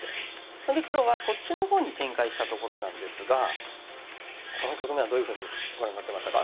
それで黒はこっちの方に展開したところなんですがこの局面はどういうふうにご覧になってましたか？